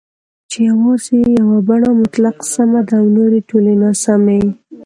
چې یوازې یوه بڼه مطلق سمه ده او نورې ټولې ناسمي